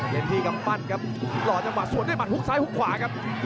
เย็นที่กับปั้นครับหล่อจังหวะส่วนด้วยหมัดหุ้กซ้ายหุ้กขวาครับ